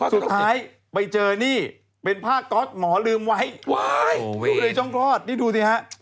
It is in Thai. สุดท้ายไปเจอนี่เป็นผ้าก๊อตหมอลืมไว้อยู่ในช่องคลอดนี่ดูสิฮะ